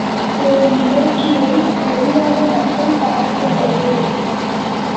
ஒரு நிகழ்ச்சியை ஒலியாக மட்டும் பரப்புவது.